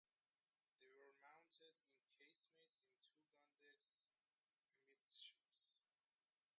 They were mounted in casemates in two gun decks amidships.